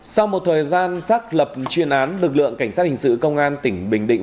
sau một thời gian xác lập chuyên án lực lượng cảnh sát hình sự công an tỉnh bình định